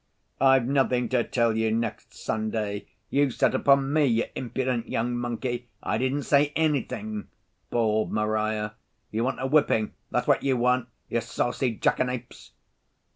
"I've nothing to tell you next Sunday. You set upon me, you impudent young monkey. I didn't say anything," bawled Marya. "You want a whipping, that's what you want, you saucy jackanapes!"